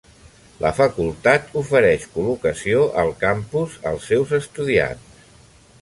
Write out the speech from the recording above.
La facultat ofereix col·locació al campus als seus estudiants.